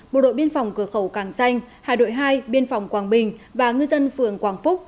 bộ đội biên phòng cửa khẩu càng xanh hải đội hai biên phòng quảng bình và ngư dân phường quảng phúc